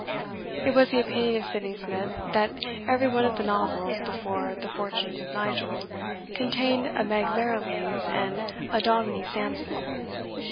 It was the opinion of Sydney Smith that every one of the novels, before "The Fortunes of Nigel," contained a Meg Merrilies and a Dominie Sampson.